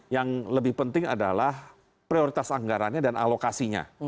yang lebih penting adalah prioritas anggarannya dan alokasinya